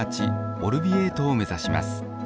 オルヴィエートを目指します。